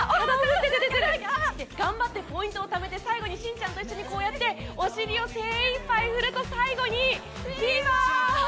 頑張ってポイントをためて最後にしんちゃんとこうやってお尻を精いっぱい振ると最後にフィーバー！